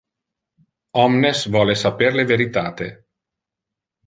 Omnes vole saper le veritate.